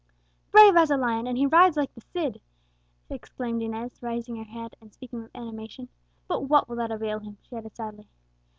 "Brave as a lion, and he rides like the Cid!" exclaimed Inez, raising her head, and speaking with animation. "But what will that avail him?" she added sadly.